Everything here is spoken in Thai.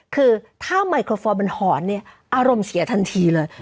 คือถ้าไมโครโฟนมันหอนเนี่ยอารมณ์เสียทันทีเลย